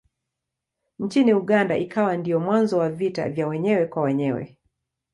Nchini Uganda ikawa ndiyo mwanzo wa vita vya wenyewe kwa wenyewe.